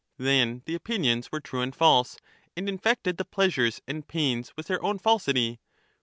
Then the opinions were true and false, and infected the pleasures and pains with their own falsity.